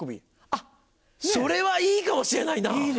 あっそれはいいかもしれないな！